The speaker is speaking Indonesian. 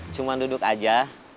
cuma duduk aja